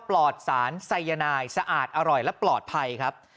ปลอดสารไซยานายสะอาดอร่อยและปลอดภัยครับ